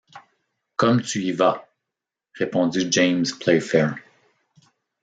Comme tu y vas! répondit James Playfair.